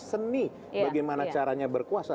seni bagaimana caranya berkuasa